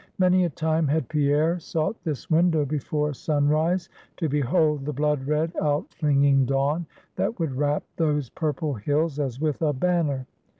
Many a time had Pierre sought this window before sunrise, to behold the blood red, out flinging dawn, that would wrap those purple hills as with a banner.